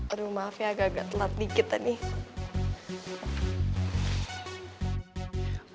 aduh maaf ya agak agak telat dikit ya nih